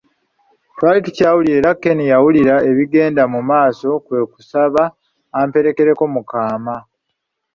Twali tukyawulira era Ken yawulira ebigenda mu maaso kwe kusaba amperekereko mu kaama.